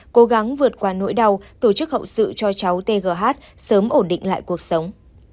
cố gắng vượt qua nỗi đau tổ chức hậu sự cho cháu tgh sớm ổn định lại cuộc sống